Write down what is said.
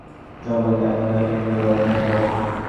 আমি এ-ও জানি না, চলচ্চিত্র জগতে আমার যাত্রা কীভাবে অব্যাহত রাখব।